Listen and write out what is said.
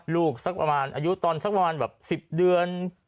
สักประมาณอายุตอนสักประมาณแบบ๑๐เดือน